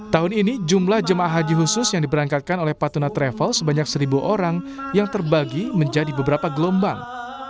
tahun ini jumlah jemaah haji khusus yang diberangkatkan oleh patuna travel sebanyak seribu orang yang terbagi menjadi beberapa gelombang